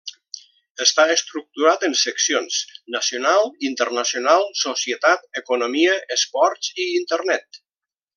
Està estructurat en seccions: nacional, internacional, societat, economia, esports i internet.